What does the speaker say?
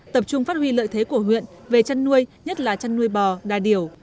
tập trung phát huy lợi thế của huyện về chăn nuôi nhất là chăn nuôi bò đa điểu